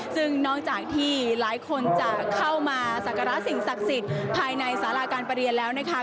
ซึ่งนอกจากที่หลายคนจะเข้ามาสักการะสิ่งศักดิ์สิทธิ์ภายในสาราการประเรียนแล้วนะคะ